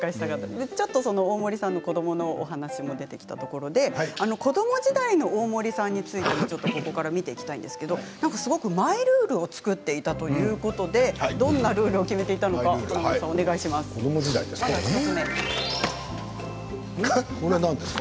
大森さんの子どものお話も出てきたところで子ども時代の大森さんについてここから見ていきたいんですけどすごく、マイルールを作っていたということでどんなルールを決めていたのか華丸さん、お願いします。